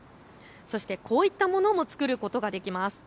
そしてこういったものも作ることができます。